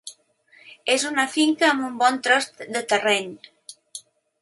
És una finca amb un bon tros de terreny.